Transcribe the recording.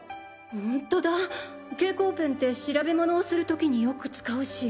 ほんとだ蛍光ペンって調べものをする時によく使うし。